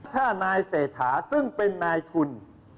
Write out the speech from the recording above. ถ้านายเศรษฐาซึ่งเป็นนายทุน